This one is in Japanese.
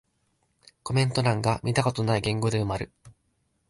コメント欄が見たことない言語で埋まる